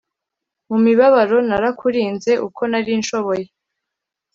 Mumibabaro narakurinze uko narinshoboye